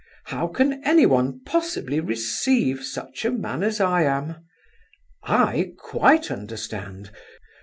How can anyone possibly receive such a man as I am? I quite understand.